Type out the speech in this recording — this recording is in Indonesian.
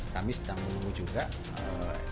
kita sedang menunggu enak